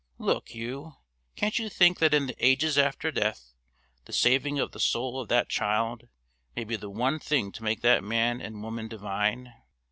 Look you, can't you think that in the ages after death the saving of the soul of that child may be the one thing to make that man and woman divine?